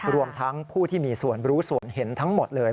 รวมทั้งผู้ที่มีส่วนรู้ส่วนเห็นทั้งหมดเลย